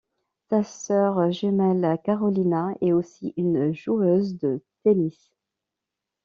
Sa sœur jumelle Karolína est aussi une joueuse de tennis.